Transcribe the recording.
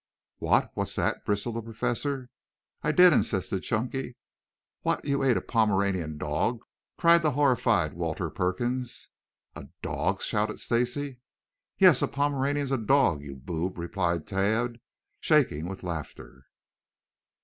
"What, what's that?" bristled the Professor. "I did," insisted Chunky. "What, you ate a Pomeranian dog?" cried the horrified Walter Perkins. "A dog?" shouted Stacy. "Yes, a Pomeranian's a dog, you boob," replied Tad, shaking with laughter.